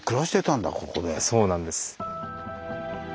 そうなんです。